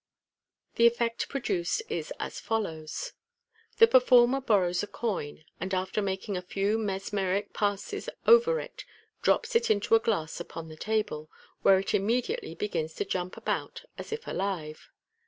The effect produced is as follows :— The performer borrows a coin, and, after making a few mesmeric passes over it, drops it into a glass upon the table, where it immediately begins to jump about as if alive.